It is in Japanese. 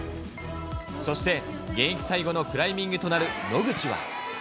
そして現役最後のクライミングとなる野口は。